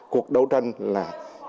cuộc đấu tranh là